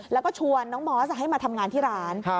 แล้วก็ชวนน้องมอสให้มาทำงานที่ร้าน